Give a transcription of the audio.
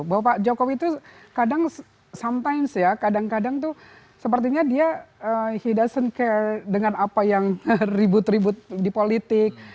bahwa pak jokowi itu kadang kadang tuh sepertinya dia he doesn't care dengan apa yang ribut ribut di politik